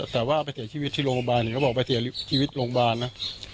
แต่ว่าไปเสียชีวิตที่โรงพยาบาลเนี่ยเขาบอกไปเสียชีวิตโรงพยาบาลนะ